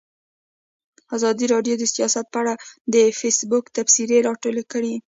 ازادي راډیو د سیاست په اړه د فیسبوک تبصرې راټولې کړي.